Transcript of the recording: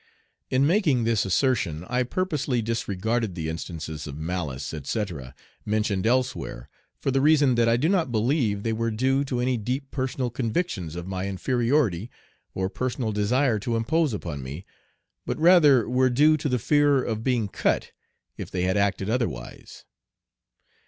In making this assertion I purposely disregard the instances of malice, etc., mentioned elsewhere, for the reason that I do not believe they were due to any deep personal convictions of my inferiority or personal desire to impose upon me, but rather were due to the fear of being "cut" if they had acted otherwise.